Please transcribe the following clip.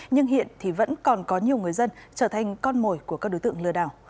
nhưng hiện thì vẫn còn có nhiều người dân trở thành con mồi của các đối tượng lừa đảo